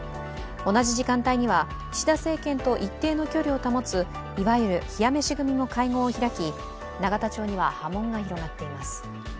同じ時間帯には岸田政権と一定の距離を保ついわゆる冷や飯組も会合を開き永田町には波紋が広がっています。